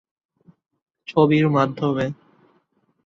ছবির মাধ্যমে।